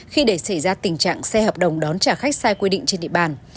khi để xảy ra tình trạng xe hợp đồng đón trả khách sai quy định trên địa bàn